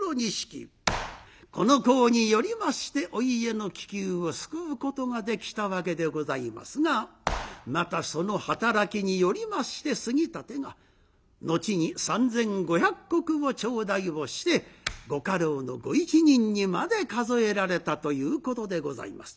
この功によりましてお家の危急を救うことができたわけでございますがまたその働きによりまして杉立が後に３，５００石を頂戴をしてご家老のご一人にまで数えられたということでございます。